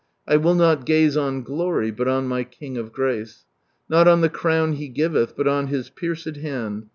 I will not gaze on glory, Bui on my King of grace, Nol on the Crown He givelh. But on His f>ieicM hand.